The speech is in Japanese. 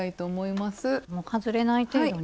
外れない程度に。